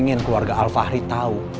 pengen keluarga alfahri tahu